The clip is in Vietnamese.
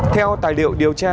theo tài liệu điều tra